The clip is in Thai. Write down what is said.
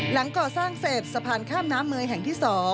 หลังก่อสร้างเสร็จสะพานข้ามน้ำเมย์แห่งที่๒